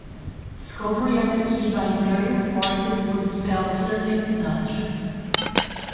Discovery of the key by Imperial forces would spell certain disaster.